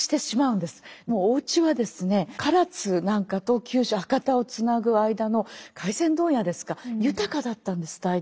でもおうちはですね唐津なんかと九州・博多をつなぐ間の廻船問屋ですか豊かだったんです代々。